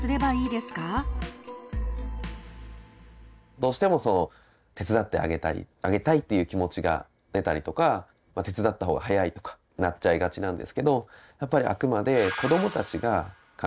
どうしても手伝ってあげたいっていう気持ちが出たりとか手伝った方が早いとかなっちゃいがちなんですけど。